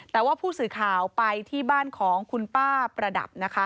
แต่ว่าผู้สื่อข่าวไปที่บ้านของคุณป้าประดับนะคะ